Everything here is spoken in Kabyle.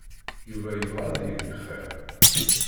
Yuba yebɣa ad yeg xir.